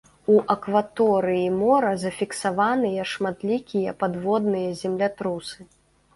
У акваторыі мора зафіксаваныя шматлікія падводныя землятрусы.